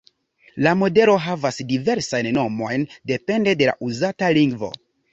La modelo havas diversajn nomojn depende de la uzata lingvo.